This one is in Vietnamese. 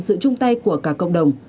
sự chung tay của cả cộng đồng